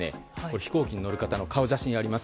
飛行機に乗る方の顔写真があります。